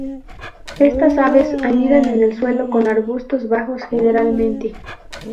Estas aves anidan en el suelo con arbustos bajos generalmente.